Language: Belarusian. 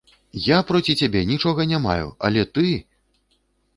Я проціў цябе нічога не маю, але ты!